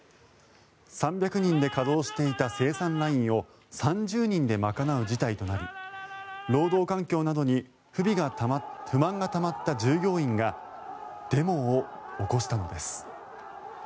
３００人で稼働していた生産ラインを３０人で賄う事態となり労働環境などに不満がたまった従業員がデモを起こしたのです。